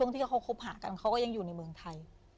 ที่เขาคบหากันเขาก็ยังอยู่ในเมืองไทย